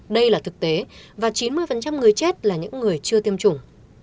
đây là thực tế và chín mươi người chết là những người chưa tiêm chủng